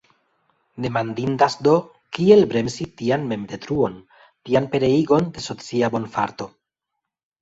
Demandindas, do, kiel bremsi tian memdetruon, tian pereigon de socia bonfarto.